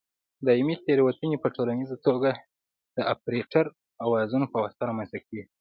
دایمي تېروتنې په ټولیزه توګه د اپرېټر او اوزارونو په واسطه رامنځته کېږي.